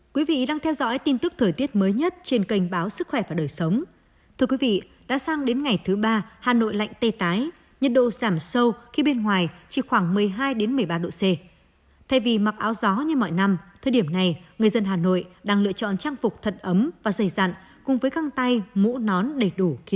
các bạn hãy đăng ký kênh để ủng hộ kênh của chúng mình nhé